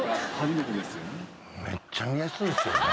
めっちゃ見やすいですよね